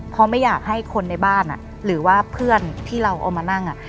เพราะไม่อยากให้คนในบ้านหรือว่าเพื่อนที่เราเอามานั่ง